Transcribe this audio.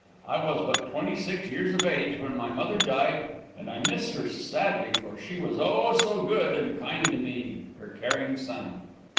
I was but twenty six years of age when my mother died and I miss her sadly for she was oh so good and kind to me her caring son.